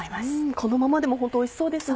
このままでもおいしそうですね。